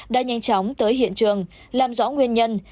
đã nhanh chóng tới hiện trường làm rõ nguyên nhân